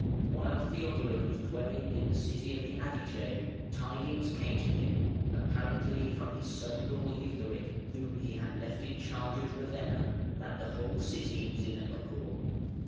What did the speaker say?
While Theodoric was dwelling in the city of the Adige, tidings came to him, apparently from his son in law Eutharic, whom he had left in charge at Ravenna, that the whole city was in an uproar.